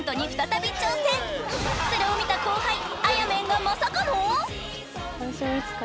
［それを見た後輩］